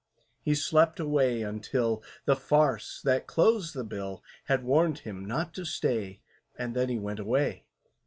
He slept away until The farce that closed the bill Had warned him not to stay, And then he went away.